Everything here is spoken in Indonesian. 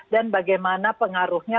dan bagaimana pengaruhnya